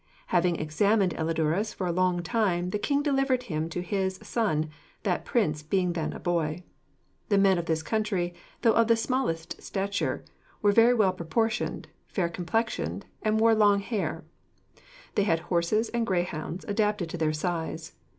Having examined Elidurus for a long time, the king delivered him to his son, that prince being then a boy. The men of this country, though of the smallest stature, were very well proportioned, fair complexioned, and wore long hair. 'They had horses and greyhounds adapted to their size.